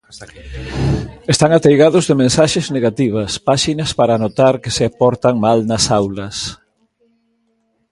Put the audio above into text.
Están ateigados de mensaxes negativas, páxinas para anotar que se portan mal nas aulas.